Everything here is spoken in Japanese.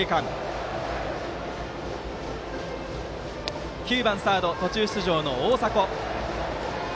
打席は９番、サード途中出場の大迫。